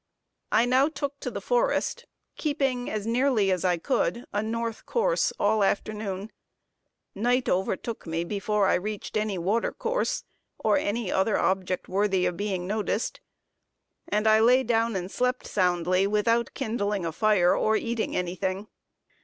I now took to the forest, keeping, as nearly as I could, a North course all the afternoon. Night overtook me before I reached any watercourse, or any other object worthy of being noticed; and I lay down and slept soundly, without kindling a fire or eating any thing.